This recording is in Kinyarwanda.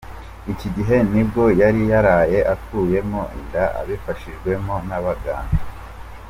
Iki gihe nibwo yari yaraye akuyemo inda abifashijwemo n’abaganga.